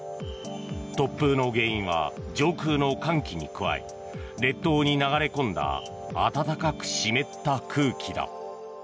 突風の原因は上空の寒気に加え列島に流れ込んだ暖かく湿った空気だ。